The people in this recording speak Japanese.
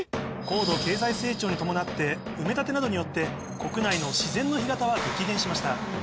高度経済成長に伴って埋め立てなどによって国内の自然の干潟は激減しました。